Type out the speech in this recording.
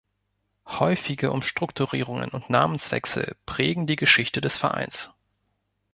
Häufige Umstrukturierungen und Namenswechsel prägen die Geschichte des Vereins.